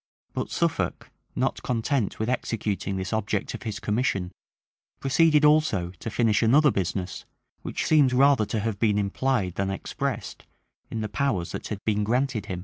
[*] But Suffolk, not content with executing this object of his commission, proceeded also to finish another business, which seems rather to have been implied than expressed in the powers that had been granted him.